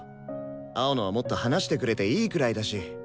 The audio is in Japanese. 青野はもっと話してくれていいくらいだし。